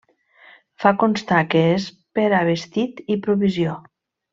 Fa constar que és per a vestit i provisió.